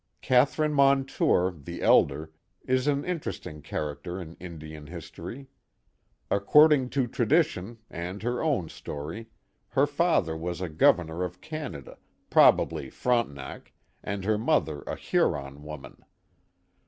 Catherine Montour, the elder, is an interest ing character in Indian history. According to tradition, and her own story, her father was a governor of Canada, probably Frontenac, and her mother a Huron woman.